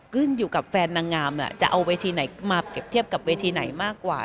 ขึ้นอยู่กับแฟนนางงามจะเอาเวทีไหนมาเปรียบเทียบกับเวทีไหนมากกว่า